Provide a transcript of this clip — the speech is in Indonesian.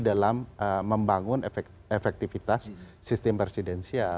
dalam membangun efektivitas sistem presidensial